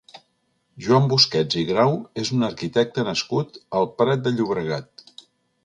Joan Busquets i Grau és un arquitecte nascut al Prat de Llobregat.